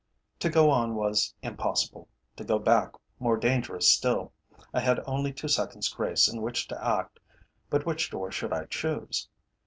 To go on was impossible; to go back more dangerous still. I had only two seconds' grace in which to act, but which door should I choose?